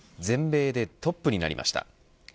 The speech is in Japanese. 全米でトップになりました。